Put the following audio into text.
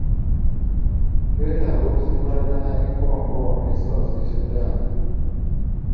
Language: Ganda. Twetaaga okusuubuligana ne Congo wamu ne South Sudan,